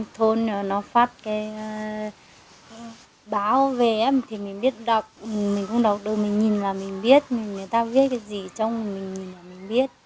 thôn nó phát cái báo về thì mình biết đọc mình không đọc được mình nhìn là mình biết người ta viết cái gì trong mình mình nhìn là mình biết